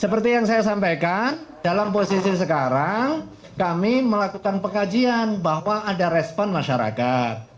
seperti yang saya sampaikan dalam posisi sekarang kami melakukan pengkajian bahwa ada respon masyarakat